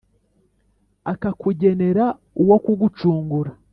akakugenera uwo kugucungura